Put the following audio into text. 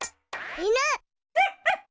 いぬ。